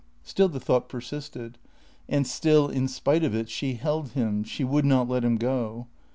Still the thought persisted; and still, in spite of it, she held him, she would not let him go.